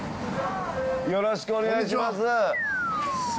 よろしくお願いします。